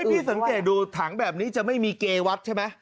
พี่สังเกตดูถังแบบนี้จะไม่มีเกวัดใช่ไหม